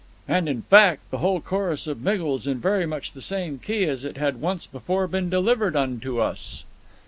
and, in fact, the whole chorus of Miggles in very much the same key as it had once before been delivered unto us.